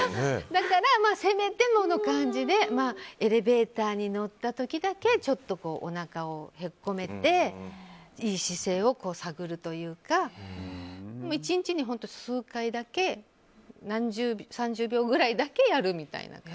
だから、せめてもの感じでエレベーターに乗った時だけちょっとおなかを引っ込めていい姿勢を探るというか１日に数回だけ３０秒ぐらいだけやるみたいな。